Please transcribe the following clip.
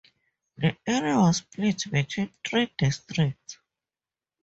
The area was split between three districts.